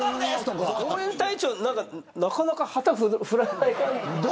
応援隊長なのになかなか旗振らないから。